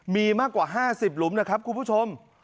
มีมากกว่า๕๐หลุมนะครับคุณผู้ชม